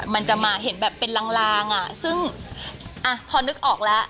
มันจะมาเห็นแบบเป็นลางอ่ะซึ่งพอนึกออกแล้ว